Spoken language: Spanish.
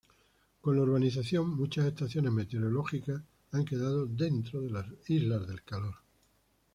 Con la urbanización, muchas estaciones meteorológicas, han quedado "dentro" de las islas de calor.